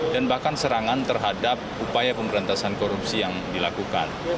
dan bahkan serangan terhadap upaya pemberantasan korupsi yang dilakukan